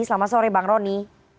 selamat sore bang roni